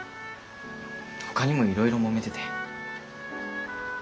ほかにもいろいろもめてて。